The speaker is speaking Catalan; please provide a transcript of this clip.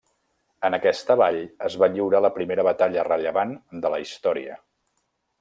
En aquesta vall es va lliurar la primera batalla rellevant de la història.